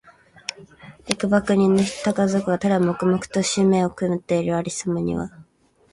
十幾人の家族が、ただ黙々としてめしを食っている有様には、